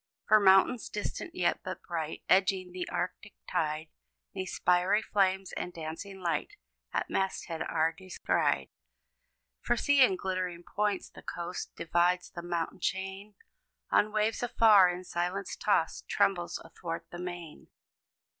For mountains, distant yet, but bright, Edging the arctic tide, 'Neath spiry flames of dancing light, At masthead are descried. For see! in glittering points, the coast Divides; the mountain chain, On waves afar in silence tossed, Trembles athwart the main.